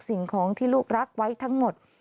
สิ่งของที่ลูกรักไว้ทั้งหมด